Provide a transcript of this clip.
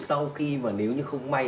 sau khi mà nếu như không may